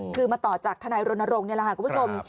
คือมาต่อจากธนายโรนโรงรหัสคุณผู้ชม